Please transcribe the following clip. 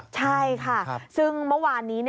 ใช่ค่ะซึ่งเมื่อวานนี้